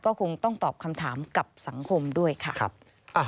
ก็คงต้องตอบคำถามกับสังคมด้วยค่ะ